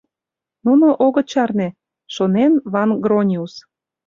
“Нуно огыт чарне, — шонен Ван-Грониус.